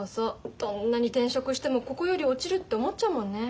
どんなに転職してもここより落ちるって思っちゃうもんね。